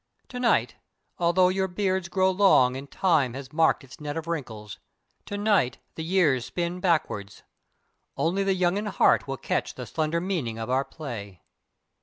_ _Tonight, although your beards grow long and Time has marked its net of wrinkles tonight, the years spin backwards. Only the young in heart will catch the slender meaning of our play.